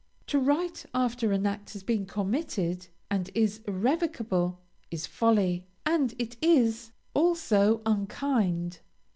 To write after an act has been committed, and is irrevocable, is folly, and it is also unkind.